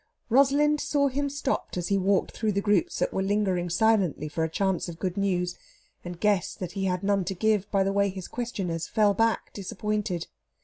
Rosalind saw him stopped as he walked through the groups that were lingering silently for a chance of good news; and guessed that he had none to give, by the way his questioners fell back disappointed.